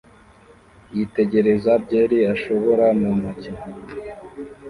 yitegereza byeri ashobora mu ntoki